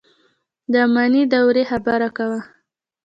د اماني دورې خبره کوو.